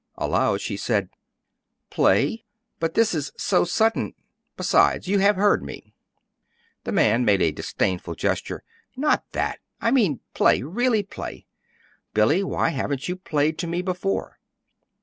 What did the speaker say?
Aloud she said: "Play? But this is 'so sudden'! Besides, you have heard me." The man made a disdainful gesture. "Not that. I mean play really play. Billy, why haven't you played to me before?"